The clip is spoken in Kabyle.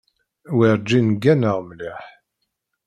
Werǧin gganeɣ mliḥ.